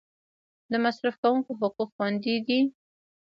د مصرف کونکو حقوق خوندي دي؟